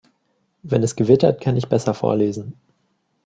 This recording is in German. Wenn es gewittert, kann ich besser vorlesen.